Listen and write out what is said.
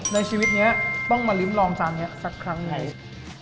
ในชีวิตนี้ต้องมาริมลองจานนี้สักครั้งไง